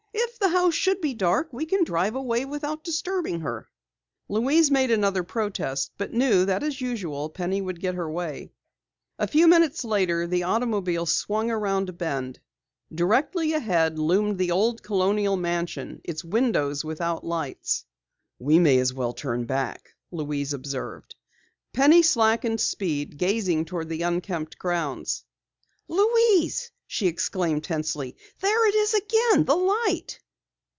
"If the house should be dark, we can drive away without disturbing her." Louise made another protest, but knew that as usual Penny would get her way. A few minutes later the automobile swung around a bend. Directly ahead loomed the old colonial mansion, its windows without lights. "We may as well turn back," Louise observed. Penny slackened speed, gazing toward the unkempt grounds. "Louise!" she exclaimed tensely. "There it is again! The light!"